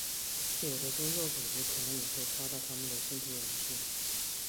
有的宗教组织可能也会夸大他们的信徒人数。